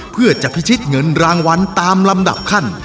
เพื่อจะพิชิตเงินรางวัลตามลำดับขั้น